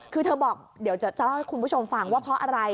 คือเธอบอกเดี๋ยวจะเล่าให้คุณผู้ชมฟังว่าเพราะอะไร